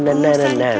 nah nah nah nah nah nah